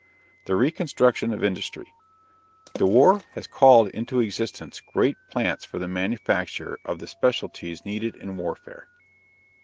THE RECONSTRUCTION OF INDUSTRY. The war has called into existence great plants for the manufacture of the specialties needed in warfare.